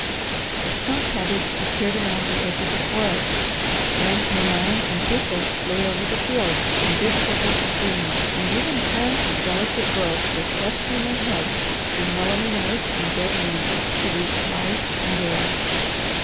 The skunk cabbage appeared around the edge of the forest, rank mullein and thistles lay over the fields in big circles of green, and even plants of delicate growth were thrusting their heads through mellowing earth and dead leaves, to reach light and air.